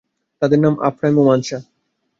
তাদের নাম আফরাইম ও মানশা।